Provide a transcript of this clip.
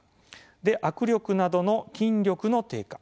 握力などの筋力の低下。